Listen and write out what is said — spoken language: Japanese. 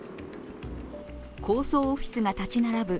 高層オフィスが立ち並ぶ